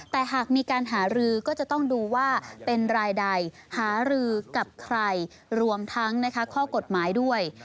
แต่หากมีการหารือก็จะต้องดูว่าเป็นรายใดหารือกับใครรวมทั้งข้อกฎหมายด้วย